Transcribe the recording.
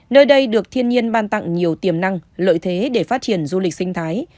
nơi đây được thiên nhiên ban tặng nhiều tiềm năng lợi thế để phát triển du lịch sinh thái